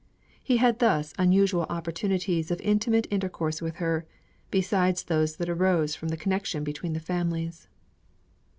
He had thus unusual opportunities of intimate intercourse with her, besides those that arose from the connection between the families.